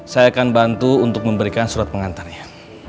saya akan bantu untuk memberikan surat pengantarnya